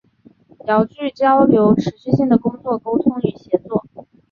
遥距交流持续性的工作沟通与协作